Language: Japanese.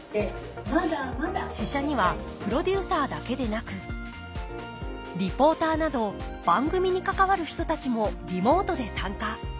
試写にはプロデューサーだけでなくリポーターなど番組に関わる人たちもリモートで参加。